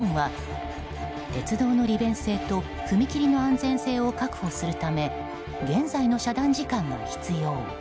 この危険な状況にＪＲ東日本は鉄道の利便性と踏切の安全性を確保するため現在の遮断時間が必要。